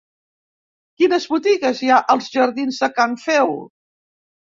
Quines botigues hi ha als jardins de Can Feu?